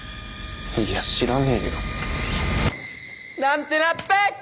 いや知らねえよ。なんてなペッ！